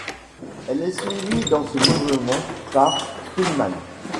Elle est suivie dans ce mouvement par Speelman.